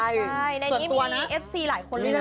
ใช่ในนี้มีเอฟซีหลายคนเลยนะ